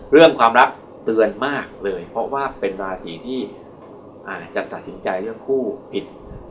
เรื่องความรักเตือนมากเลยเพราะว่าเป็นราศีที่อาจจะตัดสินใจเรื่องผู้ผิด